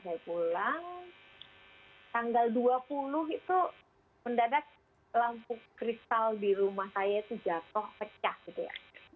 saya pulang tanggal dua puluh itu mendadak lampu kristal di rumah saya itu jatuh pecah gitu ya